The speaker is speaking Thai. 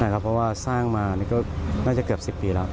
เพราะว่าสร้างมาก็น่าจะเกือบ๑๐ปีแล้ว